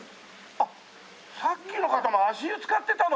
あっさっきの方も足湯浸かってたの？